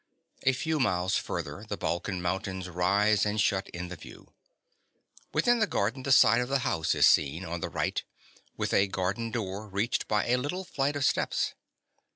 A few miles further the Balkan mountains rise and shut in the view. Within the garden the side of the house is seen on the right, with a garden door reached by a little flight of steps.